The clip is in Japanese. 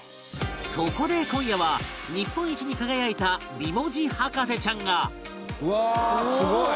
そこで今夜は日本一に輝いた美文字博士ちゃんがうわすごい！